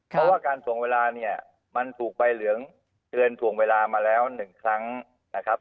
เพราะว่าการถ่วงเวลาเนี่ยมันถูกใบเหลืองเตือนถ่วงเวลามาแล้ว๑ครั้งนะครับ